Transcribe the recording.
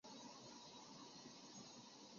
吐迷度被唐朝封为怀化大将军兼瀚海都督。